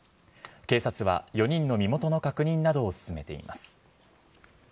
警察は４人の身元の確認などを進めています。